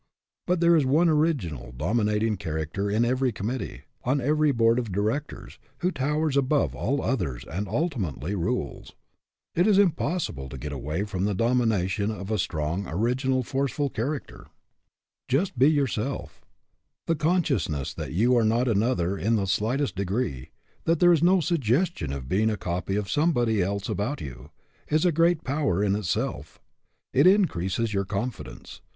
But there is one original, dominating character in every committee, on every board of directors, who towers above all the others and ultimately rules. It is impossible to get away from the domination of a strong, original, forceful character. 174 ORIGINALITY Just be yourself. The consciousness that you are not another in the slightest degree, that there is no suggestion of being a copy of somebody else about you, is a great power in itself. It increases your confidence.